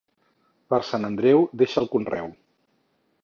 Per Sant Andreu, deixa el conreu.